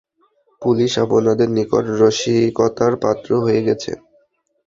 Police আপনাদের নিকট রসিকতার পাত্র হয়ে গেছে?